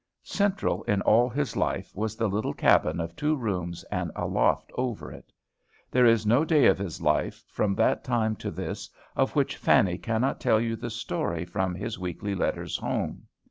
Central in all his life was the little cabin of two rooms and a loft over it. There is no day of his life, from that time to this, of which Fanny cannot tell you the story from his weekly letters home.